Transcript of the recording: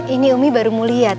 ini umi baru mau lihat